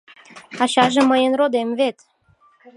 — Ачаже мыйын родем вет.